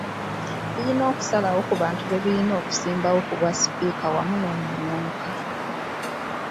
Birina okusalawo ku bantu be birina okusimbawo ku bwa sipiika wamu n’omumyuka